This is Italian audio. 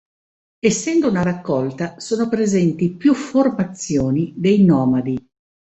Essendo una raccolta, sono presenti più formazioni dei Nomadi.